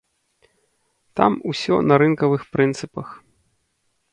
Там усё на рынкавых прынцыпах.